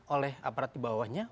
oleh aparat dibawahnya